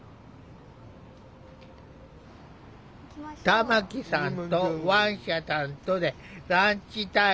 玉木さんとワンシャさんとでランチタイム。